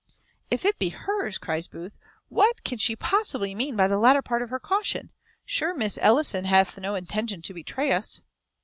"If it be hers," cries Booth, "what can she possibly mean by the latter part of her caution? sure Mrs. Ellison hath no intention to betray us."